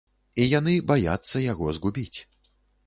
І яны баяцца яго згубіць.